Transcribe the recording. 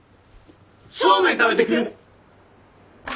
そうめん食べてく？